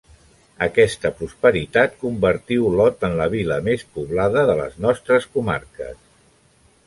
Aquesta prosperitat convertí Olot en la vila més poblada de les nostres comarques.